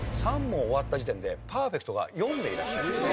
３問終わった時点でパーフェクトが４名いらっしゃいます。